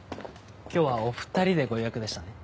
今日はお２人でご予約でしたね？